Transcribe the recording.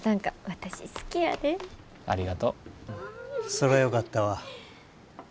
そらよかったわ。